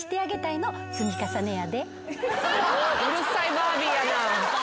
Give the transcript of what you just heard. うるさいバービーやな。